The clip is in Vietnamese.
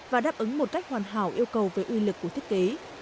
và đáp ứng một cách hoàn hảo yêu cầu về uy lực của thiết kế